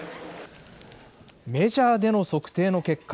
メジャーでの測定の結果。